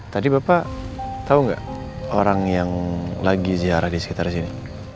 tadi bapak tahu nggak orang yang lagi ziarah di sekitar sini